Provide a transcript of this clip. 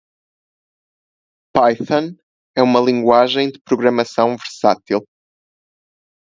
Python é uma linguagem de programação versátil.